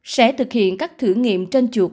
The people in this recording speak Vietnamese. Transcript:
sẽ thực hiện các thử nghiệm trên chuột